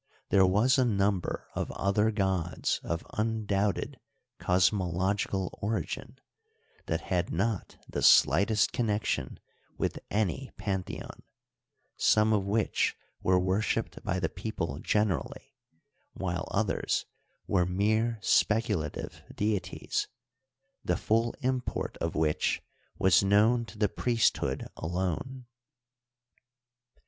There was a number of other gods of undoubted cosmological origin that had not the slightest connection with any pantheon, some of which were worshiped by the people generally, while others were mere speculative dei ties, the full import of which was known to the priesthood alone.